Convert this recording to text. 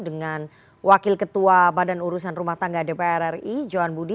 dengan wakil ketua badan urusan rumah tangga dpr ri johan budi